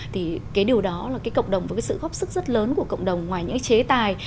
thì cái điều đó là cái cộng đồng và cái sự góp sức rất lớn của cộng đồng ngoài những cái chế tài